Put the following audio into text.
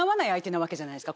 なわけじゃないですか